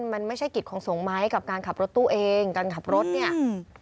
มันไม่ใช่กิจของสงฆ์ไหมกับการขับรถตู้เองการขับรถเนี่ยอืม